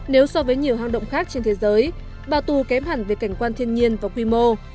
nếu so với nhiều hang động khác trên thế giới bảo tù kém hẳn về cảnh quan thiên nhiên và quy mô